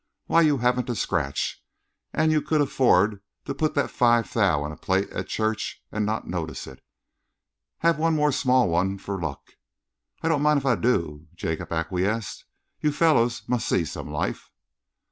Why, you haven't a scratch, and you could afford to put that five thou in the plate at church and not notice it. Have one more small one for luck." "I don't mind if I do," Jacob acquiesced.... "You fellows must see some life."